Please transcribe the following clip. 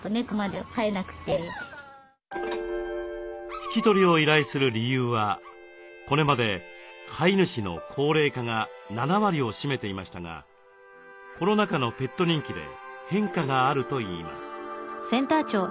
引き取りを依頼する理由はこれまで飼い主の高齢化が７割を占めていましたがコロナ禍のペット人気で変化があるといいます。